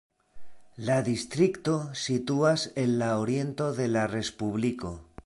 La distrikto situas en la oriento de la respubliko.